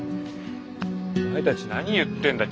お前たち何言ってんだ？